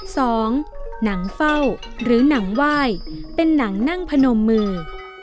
สองหนังเฝ้าหรือหนังไหว้เป็นหนังนั่งพนมมือ